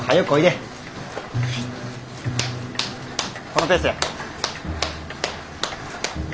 このペースや。